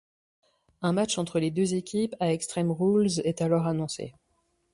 Un match entre les deux équipes à Extreme Rules est alors annoncé.